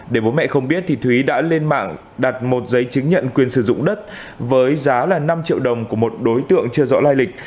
để bố mẹ không biết thúy đã lên mạng đặt một giấy chứng nhận quyền sử dụng đất với giá là năm triệu đồng của một đối tượng chưa rõ lai lịch